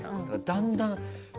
だんだん。